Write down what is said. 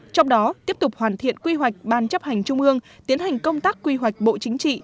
trong đó tiếp tục hoàn thiện quy hoạch ban chấp hành trung ương tiến hành công tác quy hoạch bộ chính trị